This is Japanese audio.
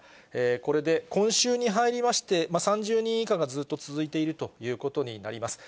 これで今週に入りまして、３０人以下がずっと続いているということになります。